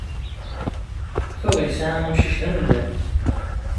Tuɣ yesɛa amcic d amellal.